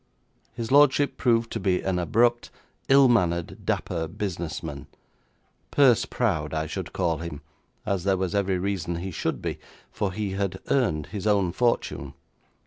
His lordship proved to be an abrupt, ill mannered, dapper business man; purse proud, I should call him, as there was every reason he should be, for he had earned his own fortune.